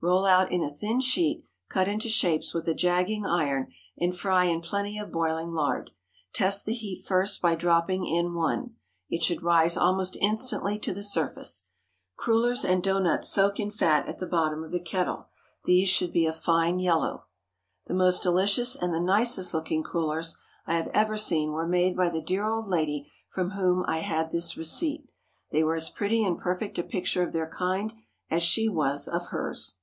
Roll out in a thin sheet, cut into shapes with a jagging iron, and fry in plenty of boiling lard. Test the heat first by dropping in one. It should rise almost instantly to the surface. Crullers and doughnuts soak in fat at the bottom of the kettle. These should be a fine yellow. The most delicious and the nicest looking crullers I have ever seen were made by the dear old lady from whom I had this receipt. They were as pretty and perfect a picture of their kind as she was of hers.